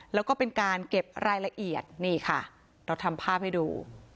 แล้วก็เป็นการเก็บรายละเอียดนี่ค่ะเราทำภาพให้ดู